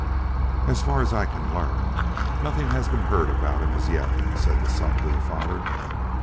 "As far as I can learn, nothing has been heard about him as yet," said the son to the father.